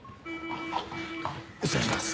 失礼します。